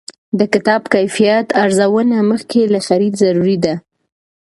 د کتاب کیفیت ارزونه مخکې له خرید ضروري ده.